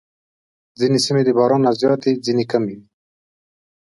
ځینې سیمې د باران نه زیاتې، ځینې کمې وي.